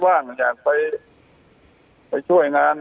ว่างอยากไปช่วยงาน